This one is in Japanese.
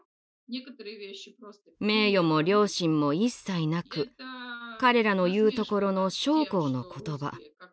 名誉も良心も一切なく彼らの言うところの将校の言葉。